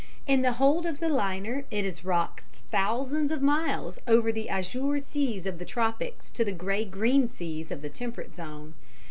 In the hold of the liner it is rocked thousands of miles over the azure seas of the tropics to the grey green seas of the temperate zone.